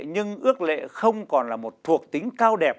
nhưng ước lệ không còn là một thuộc tính cao đẹp